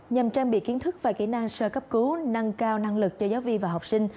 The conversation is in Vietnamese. nhằm trang bị kiến thức và kỹ năng sơ cấp cứu nâng cao năng lực cho giáo viên và học sinh